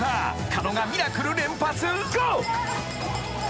［狩野がミラクル連発？］